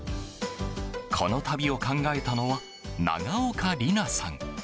この旅を考えたのは永岡里菜さん。